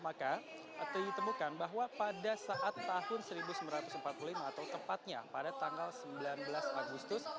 maka ditemukan bahwa pada saat tahun seribu sembilan ratus empat puluh lima atau tepatnya pada tanggal sembilan belas agustus